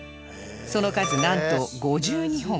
その数なんと５２本